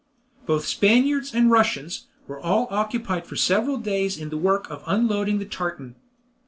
Both Spaniards and Russians were all occupied for several days in the work of unloading the tartan.